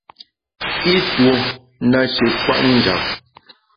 I tuo nashi kwet njap.